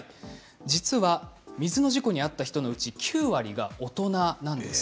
実は水の事故に遭った人のうち９割が大人なんです。